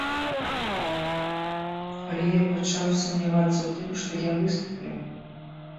Але я пачаў сумнявацца ў тым, што я выступлю.